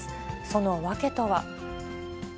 その訳とは。